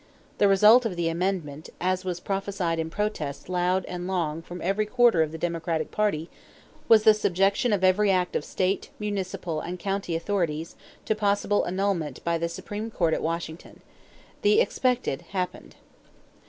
The result of the amendment, as was prophesied in protests loud and long from every quarter of the Democratic party, was the subjection of every act of state, municipal, and county authorities to possible annulment by the Supreme Court at Washington. The expected happened.